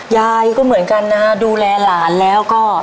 ยายก็เหมือนกันนะฮะดูแลหลานแล้วก็